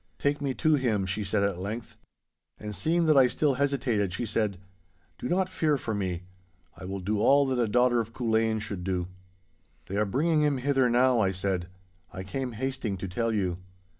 'Take me to him,' she said at length. And, seeing that I still hesitated, she said, 'Do not fear for me. I will do all that a daughter of Culzean should do.' 'They are bringing him hither now,' I said. 'I came hasting to tell you.